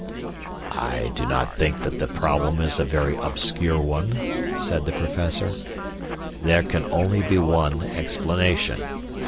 "I do not think that the problem is a very obscure one," said the Professor; "there can only be one explanation.